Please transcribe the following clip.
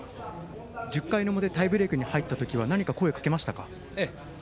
１０回表、タイブレークのとき何か声をかけましたか。